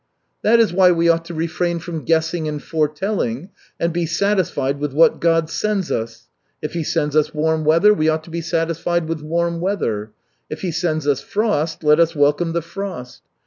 "That is why we ought to refrain from guessing and foretelling and be satisfied with what God sends us. If He sends us warm weather, we ought to be satisfied with warm weather; if He send us frost, let us welcome the frost.